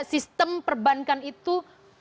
sistem perbankan itu